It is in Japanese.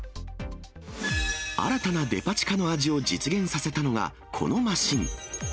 新たなデパ地下の味を実現させたのが、このマシン。